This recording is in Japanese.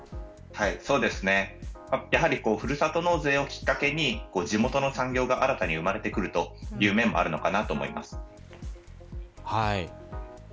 ふるさと納税をきっかけに地元の産業が新たに生まれるという面もあるのかなと思います。